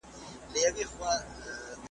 د سړک په پای کي .